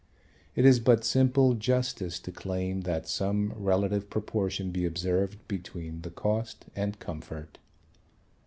It is but simple justice to claim that some relative proportion be observed between the cost and comfort.